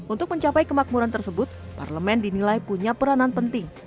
untuk mencapai kemakmuran tersebut parlemen dinilai punya peranan penting